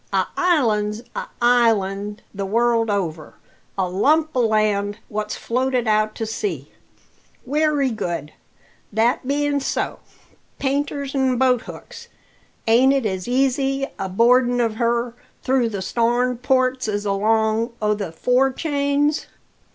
A island's a island the world over a lump o' land what's floated out to sea. Wery good, that bein' so painters an' boathooks! ain't it as easy a boardin' of her through the starn ports as along o' the forechains?"